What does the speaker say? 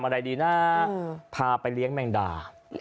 อะไรดีนะพาไปเลี้ยงแมงดา